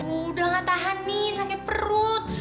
udah gak tahan nih sakit perut